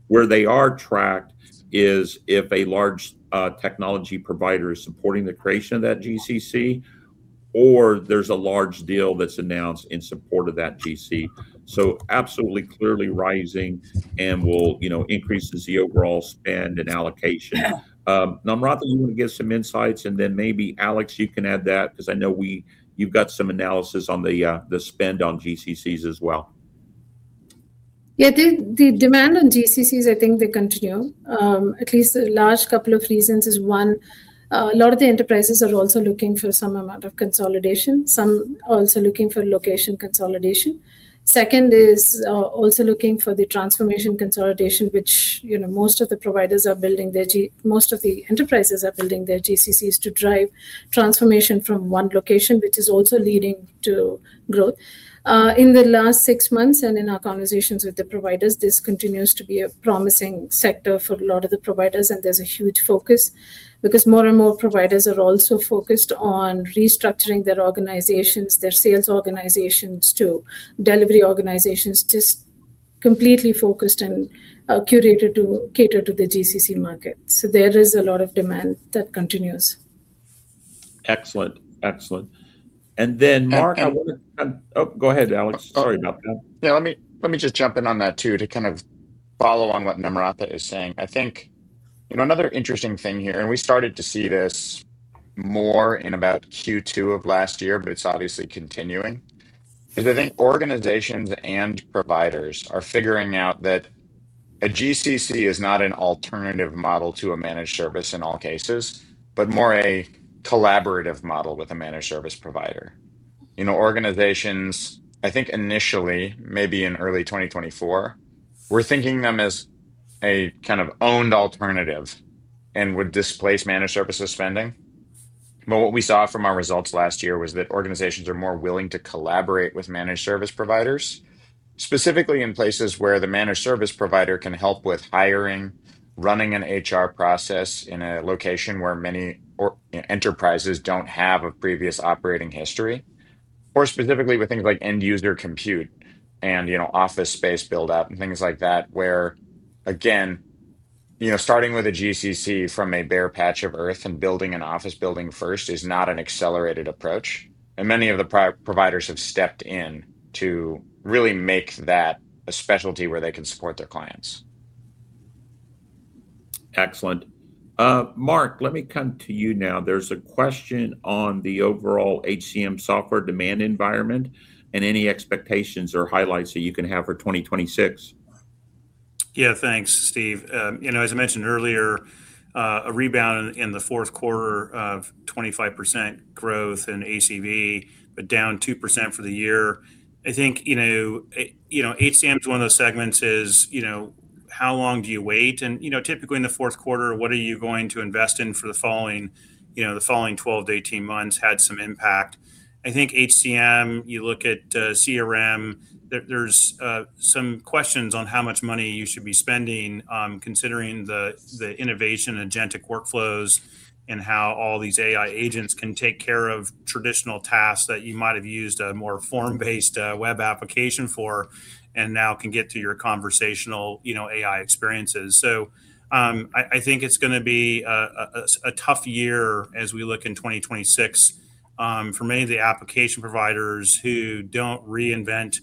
Where they are tracked is if a large technology provider is supporting the creation of that GCC or there's a large deal that's announced in support of that GCC. So absolutely clearly rising and will increases the overall spend and allocation. Namratha, you want to give some insights and then maybe Alex, you can add that because I know you've got some analysis on the spend on GCCs as well. Yeah, the demand on GCCs, I think they continue at least the last couple of years is one, a lot of the enterprises are also looking for some amount of consolidation, some also looking for location consolidation. Second is also looking for the transformation consolidation which you know, most of the providers are building their GCCs. Most of the enterprises are building their GCCs to drive transformation from one location, which is also leading to growth in the last six months and in our conversations with the providers, this continues to be a promising sector for a lot of the providers and there's a huge focus because more and more providers are also focused on restructuring their organizations, their sales organizations to delivery organizations. Just completely focused and curated to cater to the GCC market. So there is a lot of demand that continues. Excellent, excellent. And then Mark. Oh, go ahead Alex. Sorry about that. Yeah, let me just jump in on that too to kind of follow on what Namratha is saying. I think another interesting thing here, and we started to see this more in about Q2 of last year, but it's obviously continuing, is I think organizations and providers are figuring out that a GCC is not an alternative model to a managed service in all cases, but more a collaborative model with a managed service provider organizations. I think initially, maybe in early 2024, we're thinking them as a kind of owned alternative and would displace managed services spending. But what we saw from our results last year was that organizations are more willing to collaborate with managed service providers, specifically in places where the managed service provider can help with hiring, running an HR process in a location where many enterprises don't have a previous operating history or specifically with things like end user compute and office space buildup and things like that, where again, starting with a GCC from a bare patch of earth and building an office building first is not an accelerated approach and many of the providers have stepped in to really make that a specialty where they can support their clients. Excellent. Mark, let me come to you now. There's a question on the overall HCM software demand environment and any expectations or highlights that you can have for 2026. Yeah, thanks Steve. You know, as I mentioned earlier, a rebound in fourth quarter 25% growth in ACV, but down 2% for the year. I think. You know, you know HCM is one of those segments is, you know, how long do you wait and you know, typically in the fourth quarter what are you going to invest in for the following, you know, the following 12 to 18 months had some impact. I think HCM you look at CRM, there's some questions on how much money you should be spending considering the, the innovation agentic workflows and how all these AI agents can take care of traditional tasks that you might have used a more form based web application for and now can get to your conversational, you know, AI experiences. So I think it's going to be a tough year as we look in 2026 for many of the application providers who don't reinvent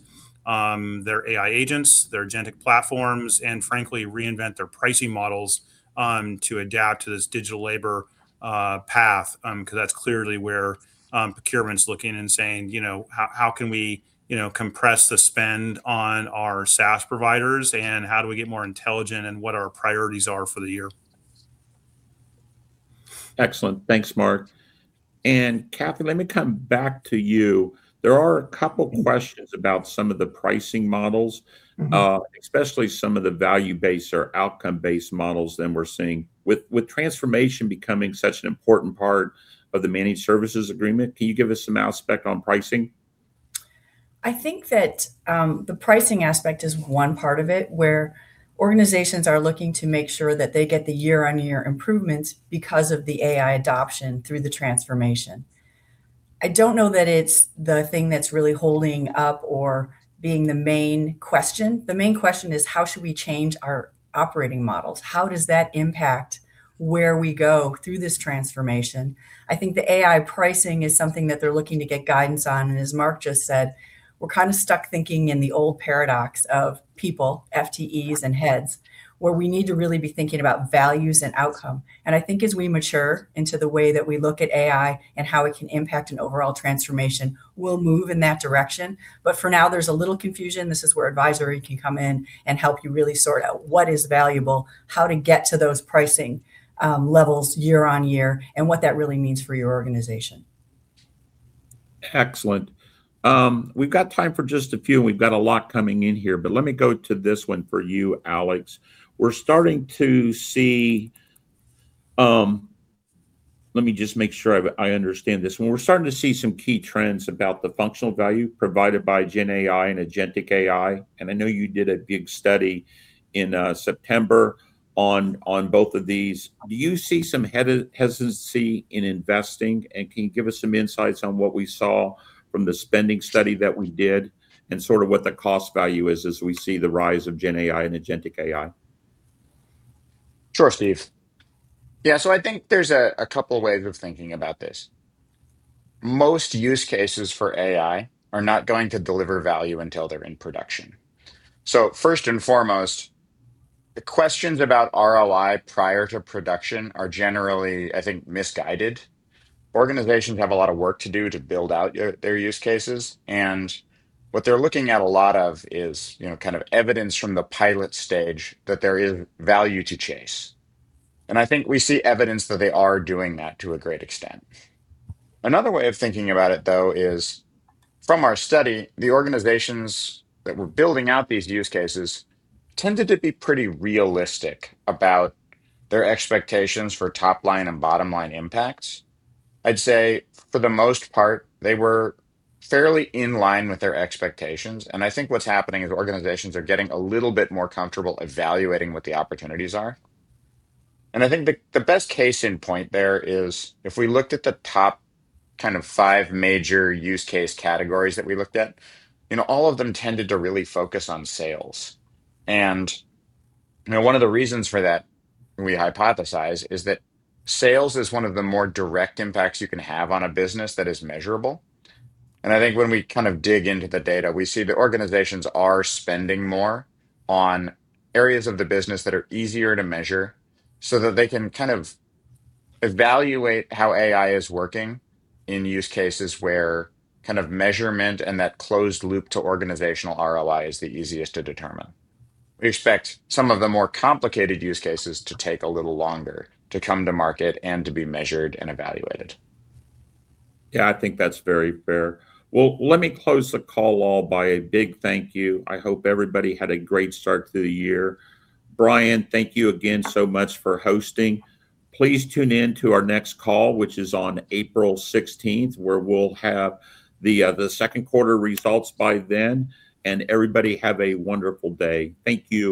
their AI agents, their agentic platforms and frankly react, reinvent their pricing models to adapt to this digital labor path because that's clearly where procurement's looking and saying, you know, how can we, you know, compress the spend on our SaaS providers and how do we get more intelligent and what our priorities are for the year? Excellent. Thanks Mark. And Kathy, let me come back to you. There are a couple questions about some of the pricing models, especially some of the value based or outcome based models that we're seeing. With transformation becoming such an important part of the managed services agreement. Can you give us some aspect on pricing? I think that the pricing aspect is one part of it where organizations are looking to make sure that they get the year on year improvements because of the AI adoption through the transformation. I don't know that it's the thing that's really holding up or being the main question. The main question is how should we change our operating models? How does that impact where we go through this transformation? I think the AI pricing is something that they're looking to get guidance on. And as Mark just said, we're kind of stuck thinking in the old paradox of people FTEs and heads where we need to really be thinking about values and outcomes. And I think as we mature into the way that we look at AI and how it can impact an overall transformation, we'll move in that direction. But for now there's a little confusion. This is where advisory can come in and help you really sort out what is valuable, how to get to those pricing levels year on year and what that really means for your organization. Excellent. We've got time for just a few and we've got a lot coming in here. But let me go to this one for you, Alex. We're starting to see, let me just make sure I understand this. When we're starting to see some key trends about the functional value provided by Gen AI and agentic AI and I know you did a big study in September on both of these, do you see some hesitancy in investing and can you give us some insights on what we saw from the spending study that we did and sort of what the cost value is as we see the rise of Gen AI and agentic AI? Sure, Steve. Yeah. So I think there's a couple ways of thinking about this. Most use cases for AI are not going to deliver value until they're in production. So first and foremost, the questions about ROI prior to production are generally, I think, misguided. Organizations have a lot of work to do to build out their use cases. And what they're looking at a lot of is kind of evidence from the pilot stage that there is value to chase. And I think we see evidence that they are doing that to a great extent. Another way of thinking about it though is from our study, the organizations that were building out these use cases tended to be pretty realistic about their expectations for top line and bottom line impacts. I'd say for the most part they were fairly in line with their expectations. And I think what's happening is organizations are getting a little bit more comfortable evaluating what the opportunities are. And I think the best case in point there is if we looked at the top kind of five major use case categories that we looked at, all of them tended to really focus on sales. And one of the reasons for that we hypothesize, is that sales is one of the more direct impacts you can have on a business that is measurable. And I think when we kind of dig into the data, we see that organizations are spending more on areas of the business that are easier to measure so that they can kind of evaluate how AI is working in use cases where kind of measurement and that closed loop to organizational ROI is the easiest to determine. We expect some of the more complicated use cases to take a little longer to come to market and to be measured and evaluated. Yeah, I think that's very fair. Well, let me close the call with a big thank you. I hope everybody had a great start to the year. Bryan, thank you again so much for hosting. Please tune in to our next call, which is on April 16, where we'll have the second quarter results by then, and everybody have a wonderful day. Thank you.